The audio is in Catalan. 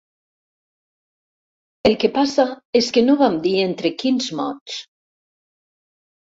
El que passa és que no vam dir entre quins mots.